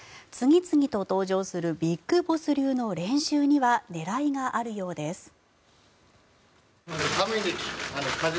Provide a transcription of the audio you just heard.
次々と登場するＢＩＧＢＯＳＳ流の練習には狙いがあるようです。